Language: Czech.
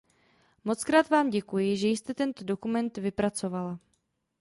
Mockrát vám děkuji, že jste tento dokument vypracovala.